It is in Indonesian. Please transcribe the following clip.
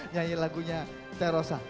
nyanyi lagunya teh rosa